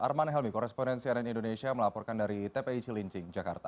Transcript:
arman helmi korespondensi ann indonesia melaporkan dari tpi cilincing jakarta